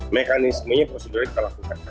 mekanismenya prosedurnya kita lakukan